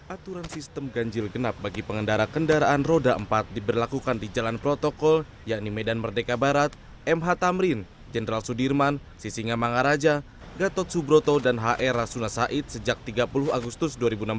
aturan sistem ganjil genap bagi pengendara kendaraan roda empat diberlakukan di jalan protokol yakni medan merdeka barat mh tamrin jenderal sudirman sisingamangaraja gatot subroto dan hr rasuna said sejak tiga puluh agustus dua ribu enam belas